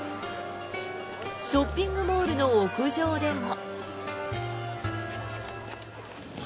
ショッピングモールの屋上でも。